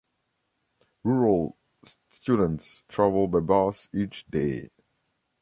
Rural students travel by bus each day.